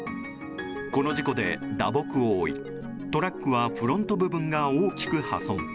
この事故で打撲を負いトラックはフロント部分が大きく破損。